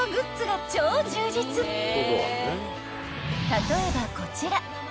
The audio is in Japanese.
［例えばこちら］